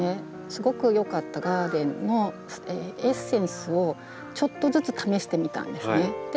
すごく良かったガーデンのエッセンスをちょっとずつ試してみたんですね。